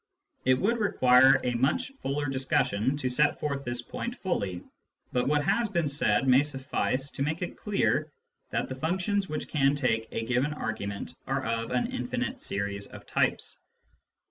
It would require a much fuller discussion to set forth this point fully, but what has been said may suffice to make it clear that the functions which can take a given argument are of an infinite series of types.